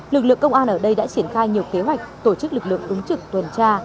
lực lượng công an ở đây đã triển khai nhiều kế hoạch tổ chức lực lượng ứng trực tuần tra